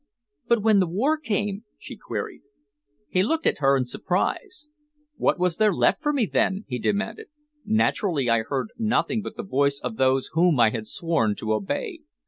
"But when the war came?" she queried. He looked at her in surprise. "What was there left for me then?" he demanded. "Naturally I heard nothing but the voice of those whom I had sworn to obey.